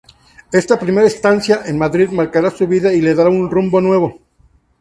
Esta primera estancia en Madrid marcará su vida y le dará un rumbo nuevo.